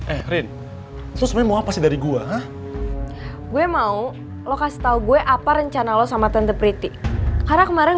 eh rin lu mau apa sih dari gua gue mau lo kasih tahu gue apa rencana lo sama tante priti karena kemarin